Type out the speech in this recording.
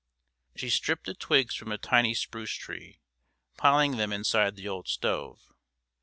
She stripped the twigs from a tiny spruce tree, piling them inside the old stove.